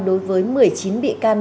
đối với một mươi chín bị can